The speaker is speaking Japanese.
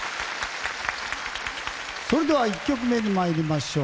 それでは１曲目に参りましょう。